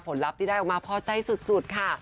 ลัพธ์ที่ได้ออกมาพอใจสุดค่ะ